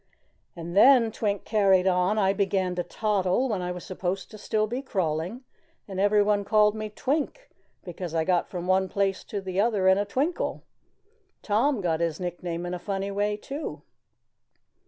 "And then," Twink carried on, "I began to toddle when I was supposed to be still crawling, and everyone called me Twink, because I got from one place to another in a twinkle. Tom got his nickname in a funny way, too."